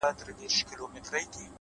ته زموږ زړونه را سپين غوندي کړه;